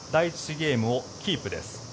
ゲームをキープです。